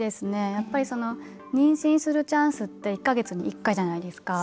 やっぱり、妊娠するチャンスって１か月に１回じゃないですか。